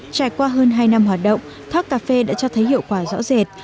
trải qua hơn hai năm hoạt động tháp cà phê đã cho thấy hiệu quả rõ rệt